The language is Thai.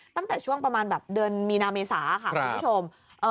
ตั้งแต่ช่วงประมาณแบบเดือนมีนาเมษาค่ะคุณผู้ชม